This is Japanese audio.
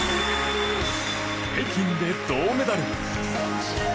北京で銅メダル。